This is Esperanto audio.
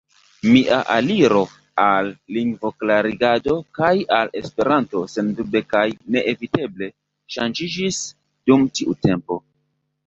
Mia aliro al lingvoklarigado kaj al Esperanto sendube kaj neeviteble ŝanĝiĝis dum tiu tempo.